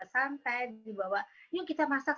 santai dibawa yuk kita masak